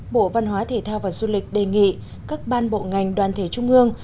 bộ văn hóa thể thao và du lịch đề nghị các ban bộ ngành đoàn thể trung ương